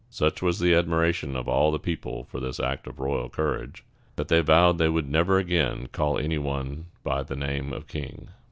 Such was the admiration of all the people for this act of royal courage, that they vowed they would never again call any one by the name of king.